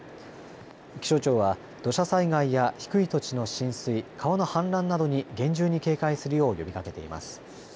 気象庁は土砂災害や低い土地の浸水、川の氾濫などに厳重に警戒するよう呼びかけています。